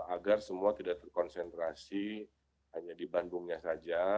agar semua tidak terkonsentrasi hanya di bandungnya saja